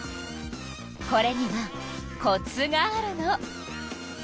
これにはコツがあるの。